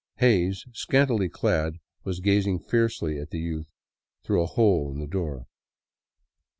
Hays, scantily clad, was gazing fiercely at the youth through a hole in the door.